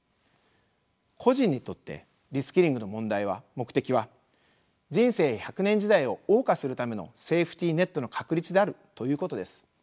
個人にとってリスキリングの目的は人生１００年時代をおう歌するためのセーフティーネットの確立であるということです。